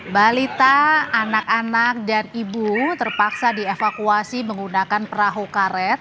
hai oh itu kalau lagi mbak balita anak anak dan ibu terpaksa dievakuasi menggunakan perahu karet